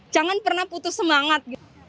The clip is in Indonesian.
jangan pernah putus semangat